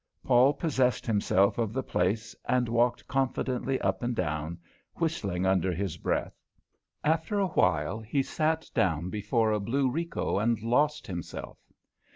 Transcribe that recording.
Paul possessed himself of the place and walked confidently up and down, whistling under his breath. After a while he sat down before a blue Rico and lost himself.